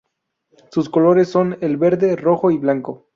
Sus colores son el verde, rojo y blanco.